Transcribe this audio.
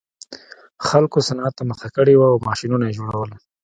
خلکو صنعت ته مخه کړې وه او ماشینونه یې جوړول